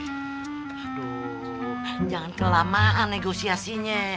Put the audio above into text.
aduh jangan kelamaan negosiasinya